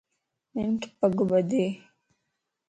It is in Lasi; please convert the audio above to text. ھنک پڳ ٻڌيَ